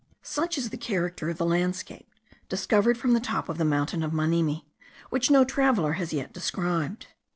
Such is the character of the landscape discovered from the top of the mountain of Manimi, which no traveller has yet described.